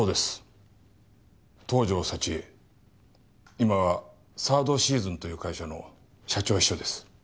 今はサードシーズンという会社の社長秘書です。